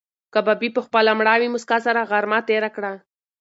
کبابي په خپله مړاوې موسکا سره غرمه تېره کړه.